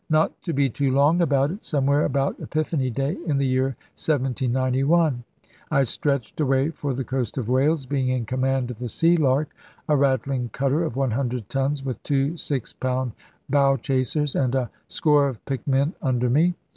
Not to be too long about it, somewhere about Epiphany Day in the year 1791, I stretched away for the coast of Wales, being in command of the Sealark, a rattling cutter of 100 tons, with two 6 pound bow chasers, and a score of picked men under me.